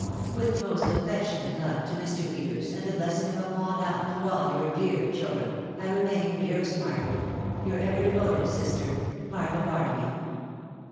With most affectionate love to Mr. Peters, and the blessing of a fond aunt to all your dear children, I remain, dearest Margaret, " Your ever devoted sister, " Martha Barnaby."